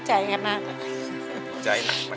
ดีใจนะ